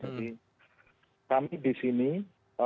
jadi kami punya wa masih bisa meskipun harus pakai vpn